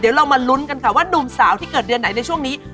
เดี๋ยวเรามาลุ้นกันค่ะว่านุ่มสาวที่เกิดเดือนไหนในช่วงนี้